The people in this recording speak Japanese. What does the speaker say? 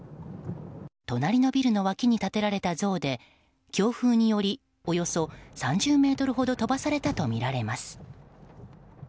隣のビルの脇に建てられた像で強風によりおよそ３０ｍほど飛ばされたとみられます。